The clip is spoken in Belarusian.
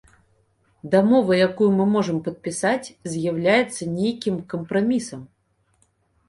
Дамова, якую мы можам падпісаць, з'яўляецца нейкім кампрамісам.